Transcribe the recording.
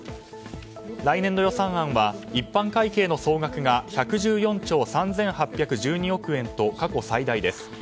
来年度予算案は一般会計の総額が１１４兆３８１２億円と過去最大です。